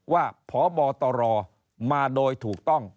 พบตรมาโดยถูกต้อง